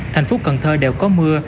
thành phố cần thơ đều có mưa